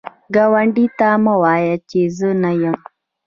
ګاونډي ته مه وایی چې زه نه یم